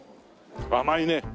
甘いね。